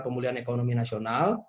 pemulihan ekonomi nasional